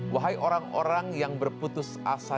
wahai orang orang yang berputus asa